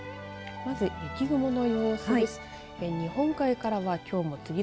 まず雪雲の様子です。